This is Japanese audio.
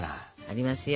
ありますよ！